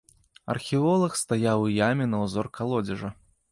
Археолаг стаяў у яме на ўзор калодзежа.